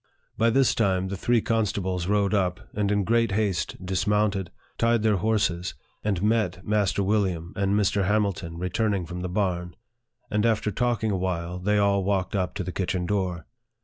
By this time, the three constables rode up, and in great haste dismounted, tied their horses, and met Master William and Mr. Hamil ton returning from the barn ; and after talking awhile, they all walked up to the kitchen door.